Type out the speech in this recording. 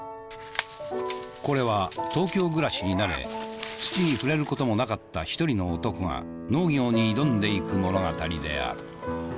これは東京暮らしに慣れ土に触れることもなかった一人の男が農業に挑んでいく物語である。